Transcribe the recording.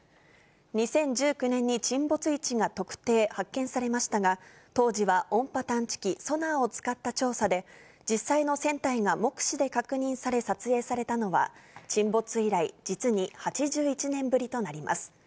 ２０１９年に沈没位置が特定・発見されましたが、当時は音波探知機・ソナーを使った調査で、実際の船体が目視で確認され、撮影されたのは、沈没以来、実に８１年ぶりとなります。